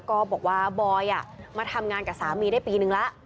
ก็บอกว่าบอยมาทำงานกับสามีได้ปีนึงแล้ว